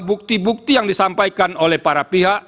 bukti bukti yang disampaikan oleh para pihak